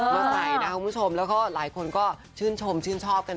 มาใส่นะคุณผู้ชมแล้วหลายคนก็ชื่นชอบไป